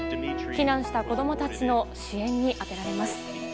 避難した子供たちの支援に充てられます。